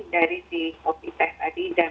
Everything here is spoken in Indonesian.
dari si kopi teh tadi dan